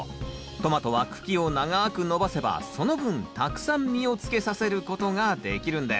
トマトは茎を長く伸ばせばその分たくさん実をつけさせることができるんです。